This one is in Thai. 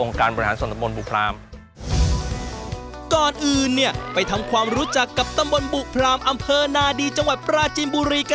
ก่อนอื่นเนี่ยไปทำความรู้จักกับตั้งบนบุพราหม